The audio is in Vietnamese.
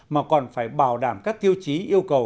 mà còn phải bảo đảm các tiêu chí yêu cầu